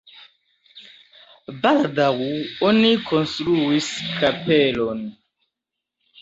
Baldaŭ oni konstruis kapelon.